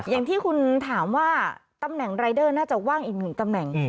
อย่างที่คุณถามว่าตำแหน่งรายเดอร์น่าจะว่างอีกหนึ่งตำแหน่ง